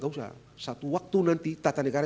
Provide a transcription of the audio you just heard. gak usah satu waktu nanti tata negara